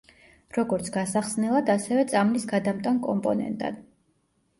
როგორც გასახსნელად ასევე წამლის გადამტან კომპონენტად.